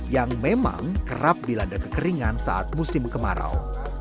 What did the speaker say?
yang memang kerap dilanda kekeringan saat musim kemarau